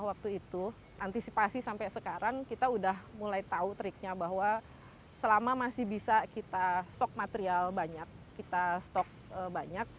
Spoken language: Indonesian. waktu itu antisipasi sampai sekarang kita udah mulai tahu triknya bahwa selama masih bisa kita stok material banyak kita stok banyak